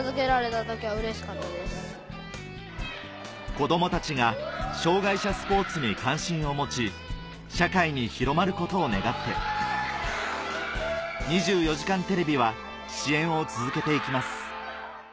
子どもたちが障がい者スポーツに関心を持ち社会に広まることを願って『２４時間テレビ』は支援を続けていきます